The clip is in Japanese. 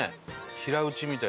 平打ちみたい。